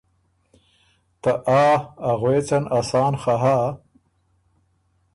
ته ”آ“ ا غوېڅن اسان خه هۀ،